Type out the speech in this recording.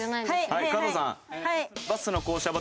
はい加藤さん。